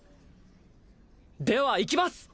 ではいきます！